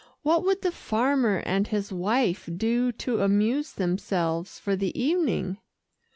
What would the farmer and his wife do to amuse themselves for the evening?"